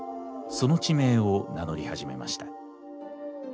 その地名を名乗り始めました。